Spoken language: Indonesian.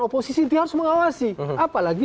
oposisi itu harus mengawasi apalagi